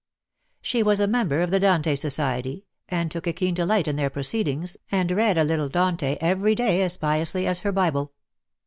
She was a member of the Dante Society, and took a keen delight in their proceedings, and read a little Dante every day as piously as her Bible.